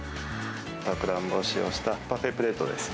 さくらんぼを使用したパフェプレートです。